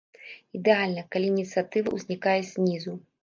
Ідэальна, калі ініцыятыва ўзнікае знізу.